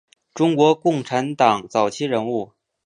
中国共产党早期人物。